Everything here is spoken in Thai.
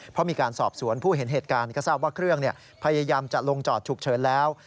เพราะมีการสอบสวนผู้เห็นเหตุการณ์ก็ทราบว่าเครื่องพยายามจะลงจอดฉุกเฉินแล้ว